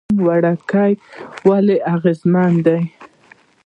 ټیم ورک ولې اغیزمن دی؟